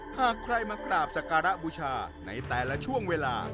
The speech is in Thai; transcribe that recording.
หากใครมากราบสการะบูชาในแต่ละช่วงเวลา